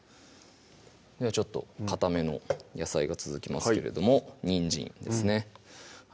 ちょっとかための野菜が続きますけれどもにんじんですね